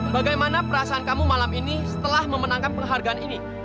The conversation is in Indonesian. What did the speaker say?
bagaimana perasaan kamu malam ini setelah memenangkan penghargaan ini